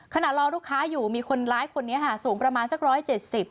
รอลูกค้าอยู่มีคนร้ายคนนี้ค่ะสูงประมาณสักร้อยเจ็ดสิบ